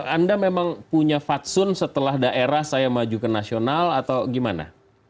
anda memang punya fatsun setelah daerah saya maju ke nasional atau gimana